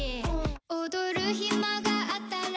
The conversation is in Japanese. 「踊る暇があったら」